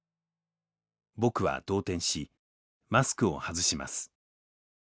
僕は動転しマスクを外します。